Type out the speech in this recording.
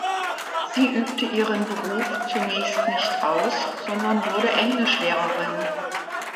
Sie übte ihren Beruf zunächst nicht aus, sondern wurde Englischlehrerin.